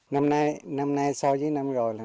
năm nay sau những năm rồi